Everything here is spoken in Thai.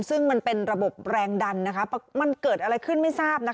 ซึ่งมันเป็นระบบแรงดันมันเกิดอะไรขึ้นไม่ทราบ